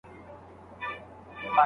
ستا ګوزار باید ډیر ګړندی او سخت وي.